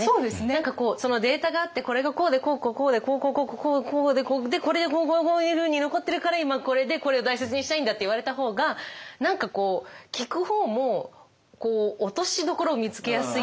何かこうそのデータがあってこれがこうでこうこうこうでこうこうこうこうでこれでこうこうこういうふうに残ってるから今これでこれを大切にしたいんだって言われた方が何かこう聞く方も納得しやすいですよね。